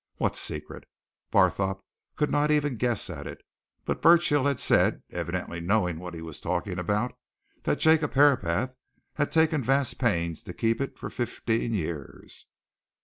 What secret? Barthorpe could not even guess at it but Burchill had said, evidently knowing what he was talking about, that Jacob Herapath had taken vast pains to keep it for fifteen years.